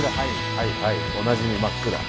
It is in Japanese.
はいはいおなじみ真っ暗。